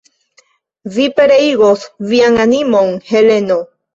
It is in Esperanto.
Vi pereigos vian animon, Heleno!